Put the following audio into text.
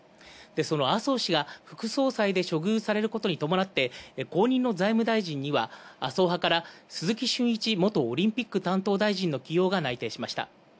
その麻生氏が副総裁で処遇されることに伴って後任の財務大臣には麻生派から鈴木俊一元オリンピック担当大臣の起用が内定しました。